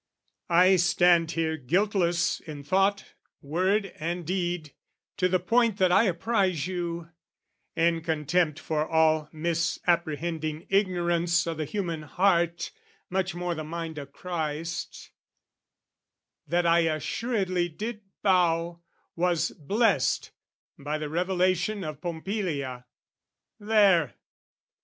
I stand here guiltless in thought, word and deed, To the point that I apprise you, in contempt For all misapprehending ignorance O' the human heart, much more the mind of Christ, That I assuredly did bow, was blessed By the revelation of Pompilia. There!